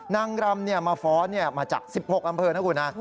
นางรำมาฟ้อนมาจาก๑๖อำเภอนะคุณฮะ